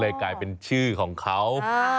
กลายเป็นชื่อของเขา